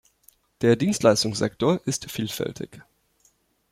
Der Dienstleistungssektor ist vielfältig.